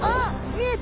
見えた！